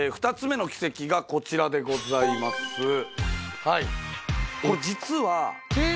２つ目の奇跡がこちらでございます